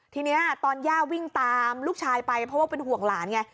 ทีนี้ตอนย่าวิ่งตามลูกชายไปเพราะว่าเป็นห่วงหลานไง